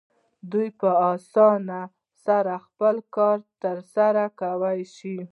دوی په اسانۍ سره خپل کار ترسره کولی شو.